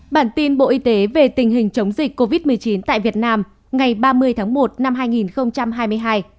bản tin bộ y tế về tình hình chống dịch covid một mươi chín tại việt nam ngày ba mươi tháng một năm hai nghìn hai mươi hai